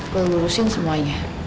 gue ngurusin semuanya